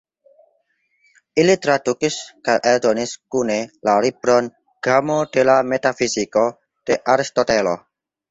Ili tradukis kaj eldonis kune la libron "Gamo de la metafiziko" de Aristotelo.